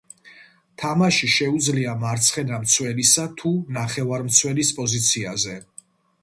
თამაში შეუძლია მარცხენა მცველისა თუ ნახევარმცველის პოზიციაზე.